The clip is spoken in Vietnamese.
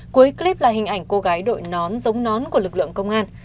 cuối clip là hình ảnh cô gái đội nón giống nón của lực lượng công an